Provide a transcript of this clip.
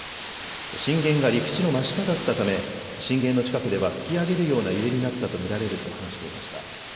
震源が陸地の真下だったため震源の近くでは突き上げるような揺れになったと見られると話していました。